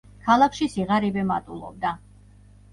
ქალაქში სიღარიბე მატულობდა.